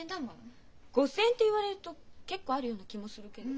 ５，０００円って言われると結構あるような気もするけど。